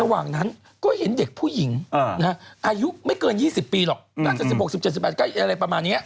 ระหว่างนั้นก็เห็นเด็กผู้หญิงอายุไม่เกิน๒๐ปีหรอกน่าจะ๑๖๑๗๑๘ใกล้อะไรประมาณนี้